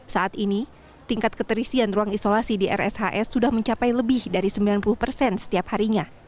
saat ini tingkat keterisian ruang isolasi di rshs sudah mencapai lebih dari sembilan puluh persen setiap harinya